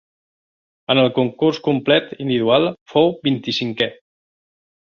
En el concurs complet individual fou vint-i-cinquè.